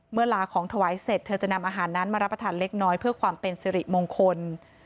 ลาของถวายเสร็จเธอจะนำอาหารนั้นมารับประทานเล็กน้อยเพื่อความเป็นสิริมงคล